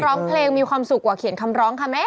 ร้องเพลงมีความสุขกว่าเขียนคำร้องค่ะแม่